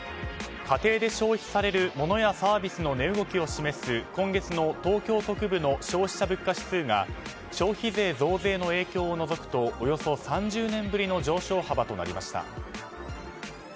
家庭で消費されるモノやサービスの値動きを示す今月の東京都区部の消費者物価指数が消費税増税の影響を除くとおよそ３０年ぶりの上昇幅となりました。